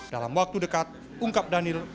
dalam waktu dekat ungkap daniel